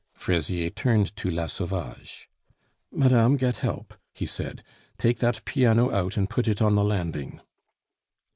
Fraisier turned to La Sauvage. "Madame, get help," he said; "take that piano out and put it on the landing."